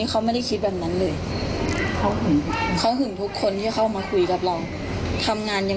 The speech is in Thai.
ก็ไม่เข้าใจเหมือนกันว่าเพราะอะไร